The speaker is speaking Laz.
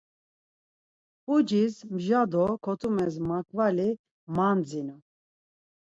Pucis mja do kotumez makvali mandzinu.